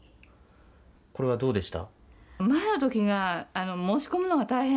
これはどうでした？